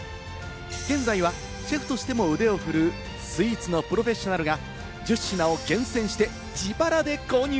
現在はシェフとしても腕を振るうスイーツのプロフェッショナルが、１０品を厳選して自腹で購入。